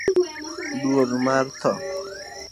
duol mar tho